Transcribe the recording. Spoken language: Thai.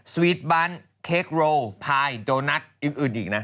สวีทบันเค้กโรพายโดนัทอื่นอีกนะ